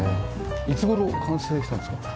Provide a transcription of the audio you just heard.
いつ頃完成したんですか？